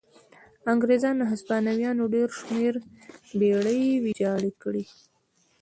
انګرېزانو د هسپانویانو ډېر شمېر بېړۍ ویجاړې کړې.